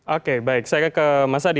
oke baik saya ke mas adi